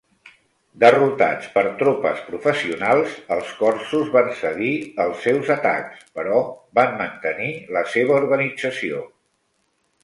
Derrotats per tropes professionals, els corsos van cedir els seus atacs, però van mantenir la seva organització.